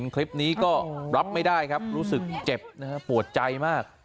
คลิปนี้ก็รับไม่ได้ครับรู้สึกเจ็บนะฮะปวดใจมาก